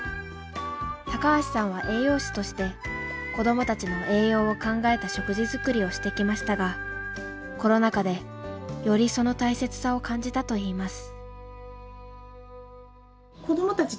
高橋さんは栄養士として子どもたちの栄養を考えた食事作りをしてきましたがコロナ禍でよりその大切さを感じたと言います。